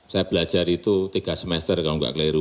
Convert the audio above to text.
saya belajar itu tiga semester kalau nggak keliru